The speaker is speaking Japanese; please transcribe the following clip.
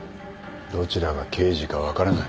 どちらが刑事か分からない。